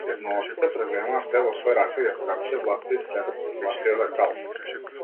Еднооките преземаа сѐ во свои раце, ја зграпчија власта и слепец прогласија за крал.